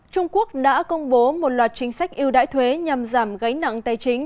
trung quốc đã công bố một loạt chính sách yêu đãi thuế nhằm giảm gánh nặng tài chính